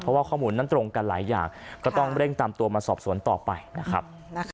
เพราะว่าข้อมูลนั้นตรงกันหลายอย่างก็ต้องเร่งตามตัวมาสอบสวนต่อไปนะครับ